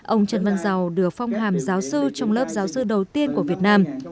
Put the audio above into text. ông trần văn dầu được phong hàm giáo sư trong lớp giáo sư đầu tiên của việt nam